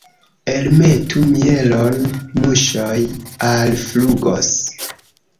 Elmetu mielon, muŝoj alflugos.